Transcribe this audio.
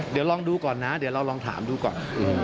เดี๋ยวลองดูก่อนนะเดี๋ยวเราลองถามดูก่อน